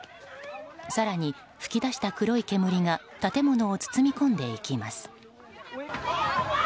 更に、噴き出した黒い煙が建物を包み込んでいきます。